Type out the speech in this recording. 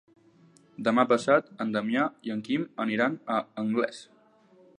Demà passat en Damià i en Quim aniran a Anglès.